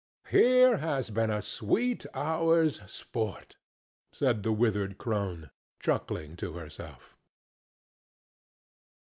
"Here has been a sweet hour's sport!" said the withered crone, chuckling to herself.